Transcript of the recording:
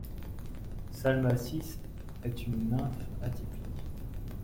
Salmacis est une nymphe atypique.